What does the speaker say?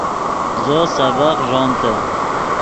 زو سبق ݱومتے